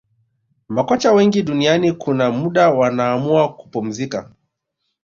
makocha wengi duniani kuna muda wanaamua kupumzika